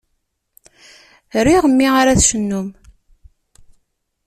Riɣ mi ara tcennum.